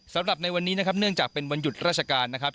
สำหรับในวันนี้นะครับเนื่องจากเป็นวันหยุดราชการนะครับ